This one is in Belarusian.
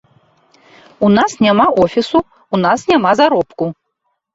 У нас няма офісу, у нас няма заробку.